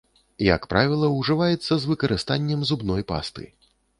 Як правіла, ужываецца з выкарыстаннем зубной пасты.